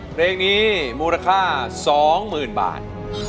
เพลงนี้มูลค่า๒๐๐๐บาท